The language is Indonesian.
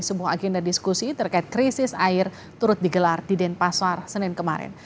sebuah agenda diskusi terkait krisis air turut digelar di denpasar senin kemarin